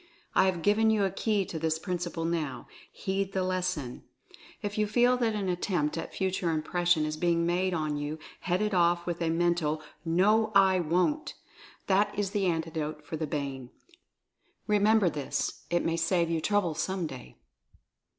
I have given you a key to this principle now — heed the lesson ! If you feel that an attempt at Fu ture Impression is being made on you head it off with a mental "No, I Wont!" That is the Antidote for the Bane. Remember this — it may save you trouble some day!